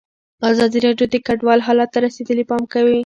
ازادي راډیو د کډوال حالت ته رسېدلي پام کړی.